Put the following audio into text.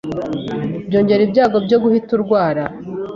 byongera ibyago byo guhita urwara